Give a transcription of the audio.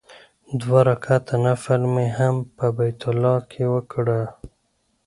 دوه رکعاته نفل مې هم په بیت الله کې وکړ.